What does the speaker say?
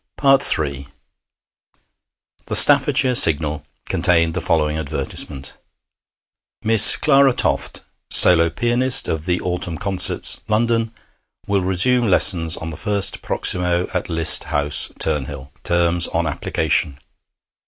III The Staffordshire Signal contained the following advertisement: 'Miss Clara Toft, solo pianist, of the Otto Autumn Concerts, London, will resume lessons on the 1st proximo at Liszt House, Turnhill. Terms on application.'